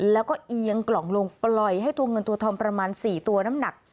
แล้วก็เอียงกล่องลงปล่อยให้ตัวเงินตัวทองประมาณ๔ตัวน้ำหนัก